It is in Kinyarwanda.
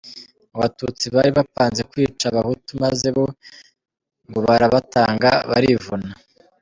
Ngo abatutsi bari bapanze kwica abahutu maze bo ngo barabatanga barivuna